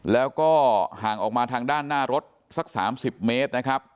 แล้วก็ห่างออกมาทางด้านหน้ารถสัก๓๐เมตรนะครับ